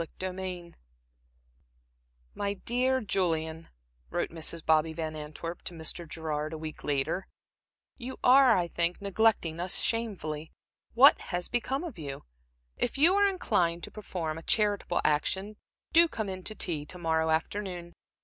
Chapter XX "My dear Julian," wrote Mrs. Bobby Van Antwerp to Mr. Gerard a week later, "you are, I think, neglecting us shamefully. What has become of you? If you are inclined to perform a charitable action, do come in to tea to morrow afternoon.